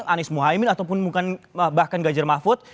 anies muhammad ataupun bahkan gajar mahfud